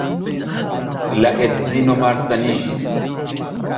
La edzino malsaniĝis.